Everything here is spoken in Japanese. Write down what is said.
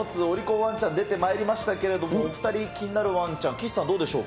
ワンちゃん出てまいりましたけれども、お２人、気になるワンちゃん、岸さん、どうでしょうか。